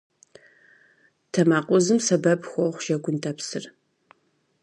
Тэмакъ узым сэбэп хуохъу жэгундэпсыр.